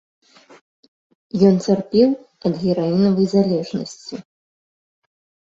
Ён цярпеў ад гераінавай залежнасці.